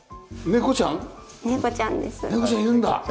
猫ちゃんいるんだ。